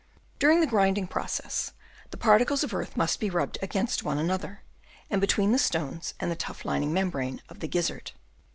During the grinding process, the particles of earth must be rubbed against one another, and between the stones and the tough lining membrane of the gizzard.